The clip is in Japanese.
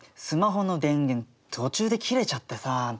スマホの電源途中で切れちゃってさ。